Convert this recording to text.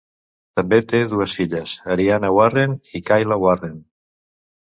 També té dues filles, Ariana Warren i Kayla Warren.